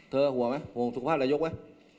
เธอห่วงไหมห่วงสุขภาพระยกไว้